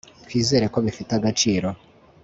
twizere ko bifite agaciro